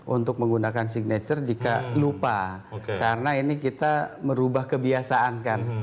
untuk menggunakan signature jika lupa karena ini kita merubah kebiasaan kan